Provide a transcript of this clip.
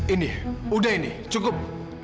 ini udah ini cukup